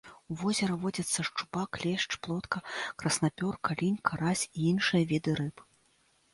У возеры водзяцца шчупак, лешч, плотка, краснапёрка, лінь, карась і іншыя віды рыб.